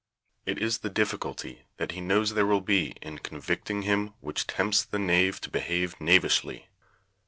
It is the difficulty that he knows there will be in convicting him which tempts the knave to behave knavishly.